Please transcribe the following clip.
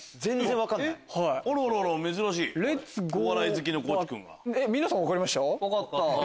分かった。